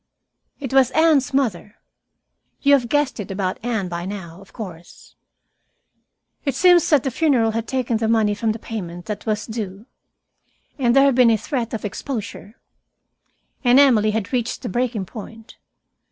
"It was Anne's mother. You have guessed it about Anne by now, of course. It seems that the funeral had taken the money for the payment that was due, and there had been a threat of exposure. And Emily had reached the breaking point.